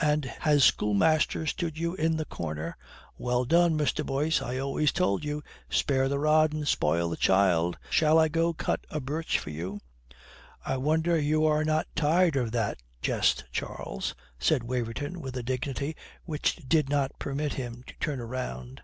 And has schoolmaster stood you in the corner? Well done, Mr. Boyce. I always told you, spare the rod and spoil the child. Shall I go cut a birch for you?" "I wonder you are not tired of that old jest, Charles," said Waverton with a dignity which did not permit him to turn round.